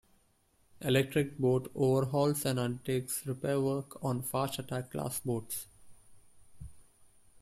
Electric Boat overhauls and undertakes repair work on fast attack class boats.